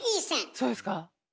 そうですか。